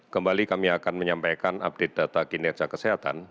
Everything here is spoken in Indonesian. kembali kami akan menyampaikan update data kinerja kesehatan